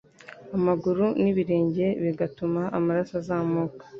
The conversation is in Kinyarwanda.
amaguru n’ibirenge bigatuma amaraso azamuka